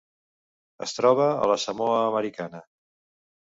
Es troba a la Samoa Americana.